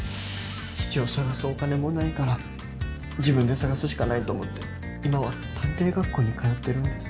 父を捜すお金もないから自分で捜すしかないと思って今は探偵学校に通ってるんです